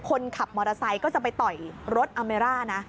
คนขับมอเตอร์ไซค์ก็จะไปต่อยรถอาเมร่านะ